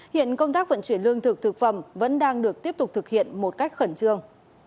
hiện công tác vận chuyển lương thực thực phẩm vẫn đang được tiếp tục thực hiện một cách khẩn trương